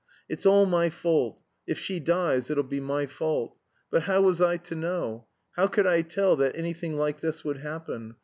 "It's all my fault if she dies it'll be my fault! But how was I to know? How could I tell that anything like this would happen?